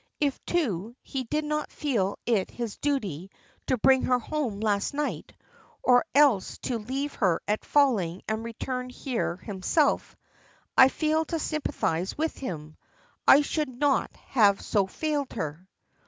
If, too, he did not feel it his duty to bring her home last night, or else to leave her at Falling and return here himself, I fail to sympathize with him. I should not have so failed her."